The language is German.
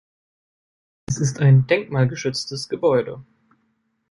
Es ist ein denkmalgeschütztes Gebäude.